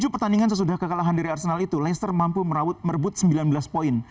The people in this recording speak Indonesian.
tujuh pertandingan sesudah kekalahan dari arsenal itu leicester mampu merebut sembilan belas poin